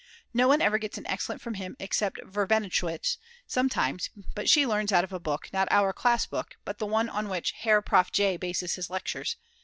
No one ever gets an Excellent from him, except Verbenowitsch sometimes, but she learns out of a book, not our class book, but the one on which Herr Prof. J. bases his lectures.